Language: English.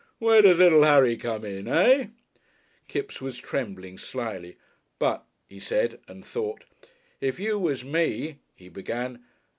Where does little Harry come in? Eh?" Kipps was trembling slightly. "But " he said, and thought. "If you was me " he began.